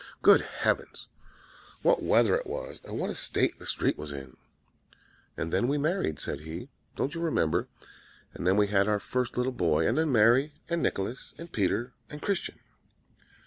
Good heavens! What weather it was, and what a state the street was in!' "'And then we married,' said he. 'Don't you remember? And then we had our first little boy, and then Mary, and Nicholas, and Peter, and Christian.'